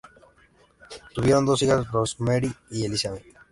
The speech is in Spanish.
Tuvieron dos hijas, Rosemary y Elizabeth.